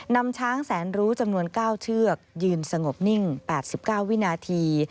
นำช้างแสนรู้จำนวน๙เชือกยืนสงบนิ่ง๘๙วินาที